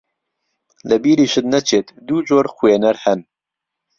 لە بیریشت نەچێت دوو جۆر خوێنەر هەن